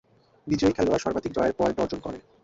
বিজয়ী খেলোয়াড় সর্বাধিক জয়ের পয়েন্ট অর্জন করে।